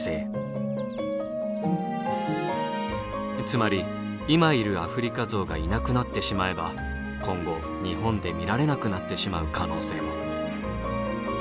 つまり今いるアフリカゾウがいなくなってしまえば今後日本で見られなくなってしまう可能性も。